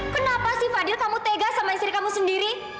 kenapa fadhil kamu tegas sama istri kamu sendiri